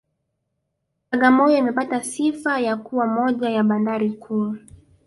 Bagamoyo imepata pia sifa ya kuwa moja ya bandari kuu